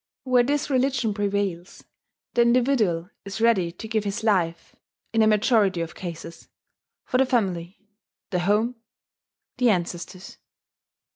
Where this religion prevails, the individual is ready to give his life, in a majority of cases, for the family, the home, the ancestors.